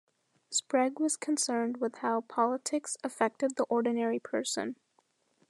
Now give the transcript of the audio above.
Sprague was concerned with how politics affected the ordinary person.